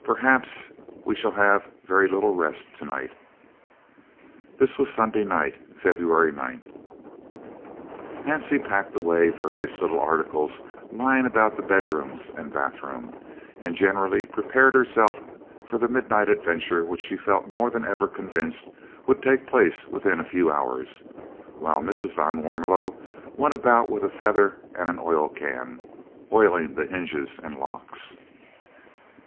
Perhaps we shall have very little rest to night." This was Sunday night, February 9th. Hansie packed away various little articles lying about the bedrooms and bathroom, and generally prepared herself for the midnight adventure which she felt more than ever convinced would take place within a few hours, while Mrs. van Warmelo went about with a feather and an oil can, oiling the hinges and locks.